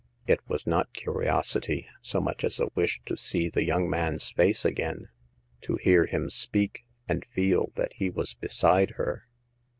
It was not curiosity so much as a wish to see the young man's face again, to hear him speak, and feel that he was beside her.